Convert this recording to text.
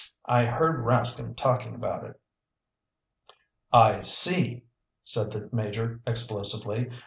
I heard Rascomb talking about it." "I see!" said the Major explosively.